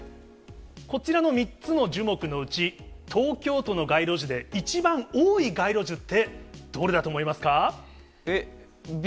こちらの３つの樹木のうち、東京都の街路樹で、一番多い街路樹ってどれだと思いますか。